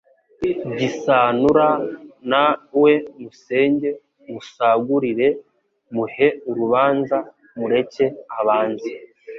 Gisanura Na we musenge musagurire Muhe urubanza mureke abanze